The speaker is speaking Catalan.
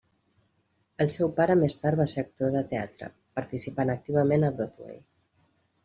El seu pare més tard va ser actor de teatre, participant activament a Broadway.